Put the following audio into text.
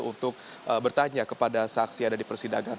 untuk bertanya kepada saksi yang ada di persidangan